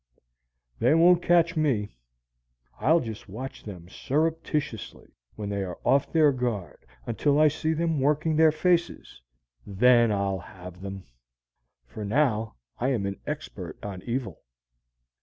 They won't catch me! I'll just watch them surreptitiously when they are off their guard until I see them working their faces, and then I'll have them! For now I am an expert on evil.